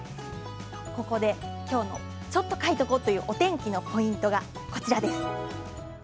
ここで今日の「ちょっと書いとこ！」というお天気のポイントです。